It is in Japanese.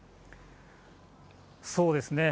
そうですね。